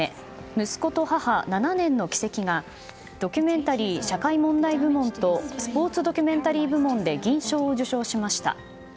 息子と母７年の軌跡」がドキュメンタリー・社会問題部門とスポーツドキュメンタリー部門で銀賞を受賞しました。